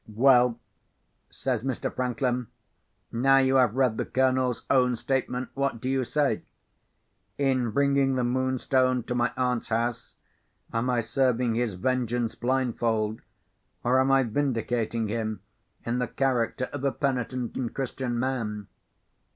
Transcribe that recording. "Well," says Mr. Franklin, "now you have read the Colonel's own statement, what do you say? In bringing the Moonstone to my aunt's house, am I serving his vengeance blindfold, or am I vindicating him in the character of a penitent and Christian man?"